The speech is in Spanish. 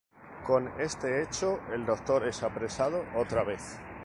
Con esto hecho, el Doctor es apresado otra vez.